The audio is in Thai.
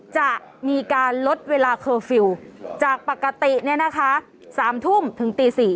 จะมีการลดเวลาเคอร์ฟิลจากปกติเนี่ยนะคะ๓ทุ่มถึงตี๔